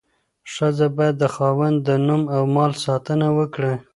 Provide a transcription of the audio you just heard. ښځه باید د خاوند د نوم او مال ساتنه وکړي.